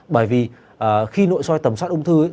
bởi vì khi nội soi tầm soát ung thư